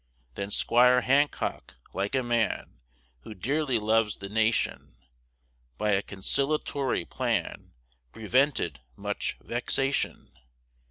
Then 'Squire Hancock, like a man Who dearly loves the nation, By a Concil'atory plan, Prevented much vexation.